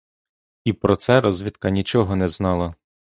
І про це розвідка нічого не знала.